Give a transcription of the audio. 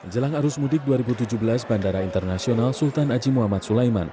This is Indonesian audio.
jelang arus mudik dua ribu tujuh belas bandara internasional sultan haji muhammad sulaiman